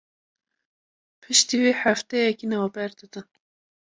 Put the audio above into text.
Piştî vê hefteyekî navber bidin